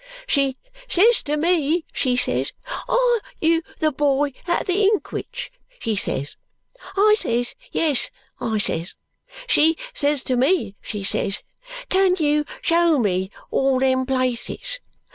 She ses to me she ses 'are you the boy at the inkwhich?' she ses. I ses 'yes' I ses. She ses to me she ses 'can you show me all them places?'